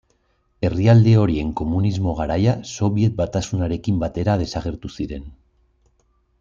Herrialde horien komunismo garaia Sobiet Batasunarekin batera desagertu ziren.